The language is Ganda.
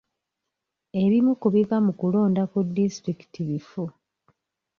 Ebimu ku biva mu kulonda ku disitulikiti bifu.